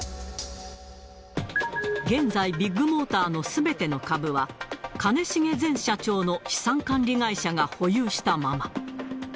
現在、ビッグモーターのすべての株は、兼重前社長の資産管理会社が保有したまま。